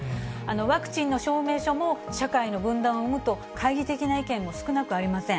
ワクチンの証明書も社会の分断を生むと、懐疑的な意見も少なくありません。